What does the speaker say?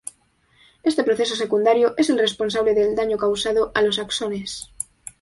Este proceso secundario es el responsable del daño causado a los axones.